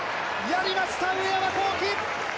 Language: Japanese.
やりました、上山紘輝。